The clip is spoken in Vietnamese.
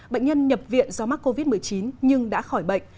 bệnh nhân nhập viện do mắc covid một mươi chín nhưng đã khỏi bệnh